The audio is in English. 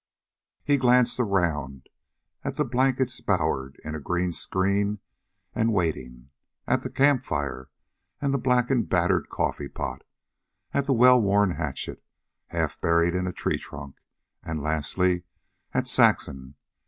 He glanced around at the blankets bowered in a green screen and waiting, at the campfire and the blackened, battered coffee pot, at the well worn hatchet, half buried in a tree trunk, and lastly at Saxon.